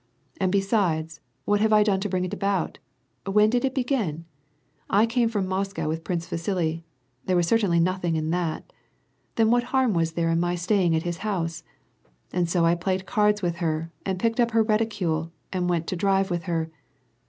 "And, besides, what have I done to bring it about ? When did it begin ? I came from Moscow w^ith Prince Yiisili. There was certainly nothing in that. Then what harm w^as there in my staying at liis house ? And so 1 played cards with her, and picked up her reticule, and went to drive with her.